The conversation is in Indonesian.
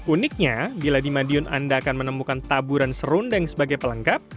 uniknya bila di madiun anda akan menemukan taburan serundeng sebagai pelengkap